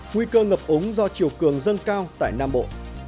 nguy cơ ngập ống do triều cường dân cao tại nam bộ